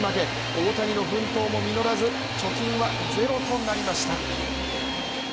大谷の奮闘も実らず貯金はゼロとなりました。